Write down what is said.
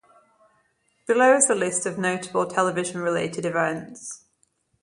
Below is a list of notable television-related events.